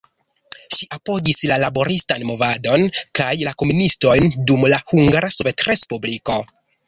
Ŝi apogis la laboristan movadon kaj la komunistojn dum la Hungara Sovetrespubliko.